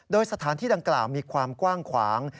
โดยสถานที่ดังกล่าวมีความกว้างขวาง